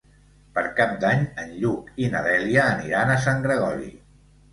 Per Cap d'Any en Lluc i na Dèlia aniran a Sant Gregori.